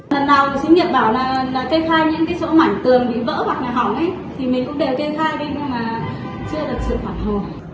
lần nào xí nghiệp bảo là kê khai những cái sổ mảnh tường bị vỡ hoặc là hỏng ấy thì mình cũng đều kê khai đi nhưng mà chưa được sự hoạt hồ